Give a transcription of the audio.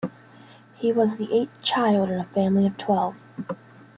He was the eighth child in a family of twelve.